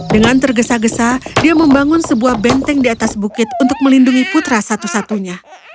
dengan tergesa gesa dia membangun sebuah benteng di atas bukit untuk melindungi putra satu satunya